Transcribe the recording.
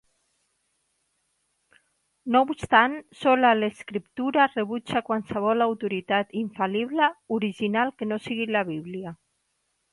No obstant, sola scriptura rebutja qualsevol autoritat infal·lible original que no sigui la Bíblia.